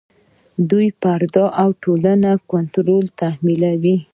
دوی پر فرد او ټولنه کنټرول تحمیلوي.